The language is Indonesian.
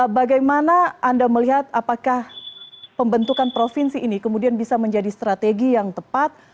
bagaimana anda melihat apakah pembentukan provinsi ini kemudian bisa menjadi strategi yang tepat